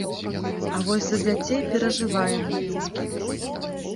А вось за дзяцей перажываем.